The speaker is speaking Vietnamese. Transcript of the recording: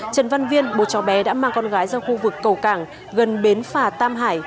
trần văn viên bố cháu bé đã mang con gái ra khu vực cầu cảng gần bến phà tam hải